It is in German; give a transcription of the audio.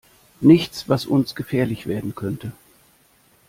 Nichts, was uns gefährlich werden könnte.